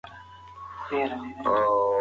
خپل غږ ثبت کړئ.